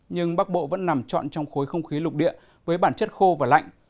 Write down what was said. nhưng bắc bộ vẫn nằm trọn trong khối không khí lục địa với bản chất khô và lạnh